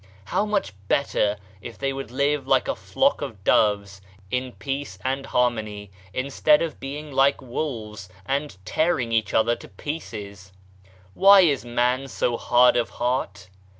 How much better if they would live like a flock of doves in peace and harmony, instead of being like wolves and tearing each other to pieces. Why is man so hard of heart